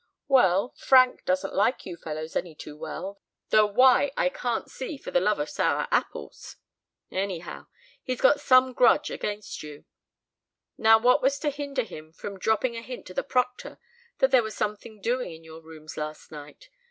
"Well, Frank doesn't like you fellows any too well, though why I can't see for the love of sour apples. Anyhow, he's got a grudge against you. Now what was to hinder him from dropping a hint to the proctor that there was something doing in your rooms last night?